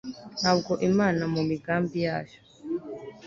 ntabwo imana mu migambi yayo